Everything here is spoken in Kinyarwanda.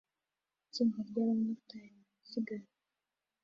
Itsinda ry'abamotari mu isiganwa